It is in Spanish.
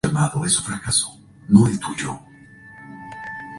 Existe relieve variado, planicies, llanuras, pequeños promontorios de rocas y arenales.